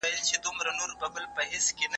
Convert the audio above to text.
په دې تاریکو افسانو کي ریشتیا ولټوو